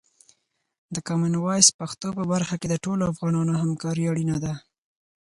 د کامن وایس پښتو په برخه کې د ټولو افغانانو همکاري اړینه ده.